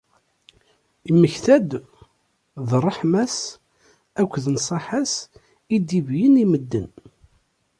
Immekta-d d ṛṛeḥma-s akked nnṣaḥa-s i d-ibeyyen i medden.